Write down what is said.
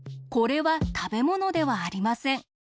これはたべものではありません。